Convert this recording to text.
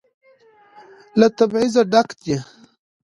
له تبعيضه ډک دى.